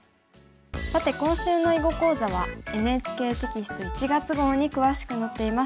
さて今週の囲碁講座はＮＨＫテキスト１月号に詳しく載っています。